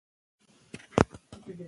پښتو ته په مینه او صداقت خدمت وکړئ.